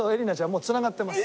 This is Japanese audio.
もう繋がってます。